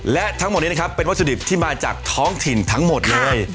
และทั้งหมดนี้นะครับเป็นวัตถุดิบที่มาจากท้องถิ่นทั้งหมดเลย